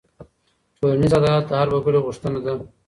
ټولنيز عدالت د هر وګړي غوښتنه ده.